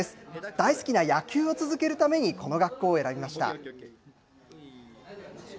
大好きな野球を続けるためにこの学校を選びました。